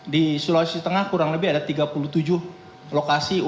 di sulawesi tengah kurang lebih ada tiga puluh tujuh lokasi wi fi yang digratiskan